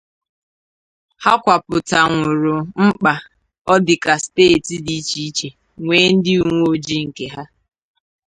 Ha kwupụtànwòrò mkpa ọ dị ka steeti dị iche iche nwee ndị uweojii nke ha